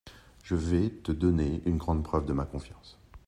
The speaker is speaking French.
Je vais te donner une grande preuve de ma confiance…